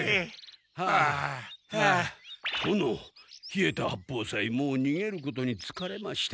殿稗田八方斎もうにげることにつかれました。